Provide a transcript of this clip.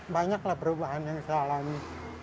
banyaklah perubahan yang saya alami